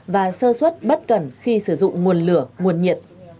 và sơ suất bất cẩn khi sử dụng nguồn lửa nguồn nhiệt